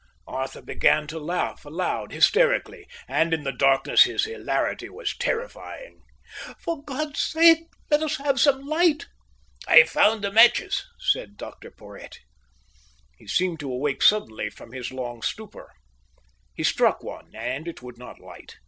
Arthur began to laugh aloud, hysterically, and in the darkness his hilarity was terrifying. "For God's sake let us have some light." "I've found the matches," said Dr Porhoët. He seemed to awake suddenly from his long stupor. He struck one, and it would not light.